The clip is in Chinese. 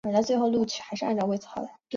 檬果樟为樟科檬果樟属下的一个种。